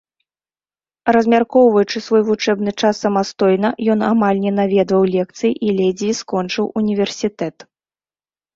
Размяркоўваючы свой вучэбны час самастойна, ён амаль не наведваў лекцыі і ледзьве скончыў універсітэт.